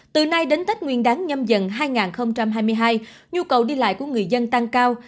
từ nay đến tết nguyên đáng nhâm dần hai nghìn hai mươi hai nhu cầu đi lại của người dân tăng cao